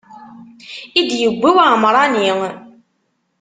I d-yewwi uɛemṛani.